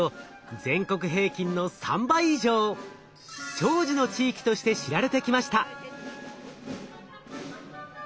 長寿の地域として知られてきました。